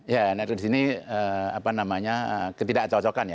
ya di sini ketidak cocokan ya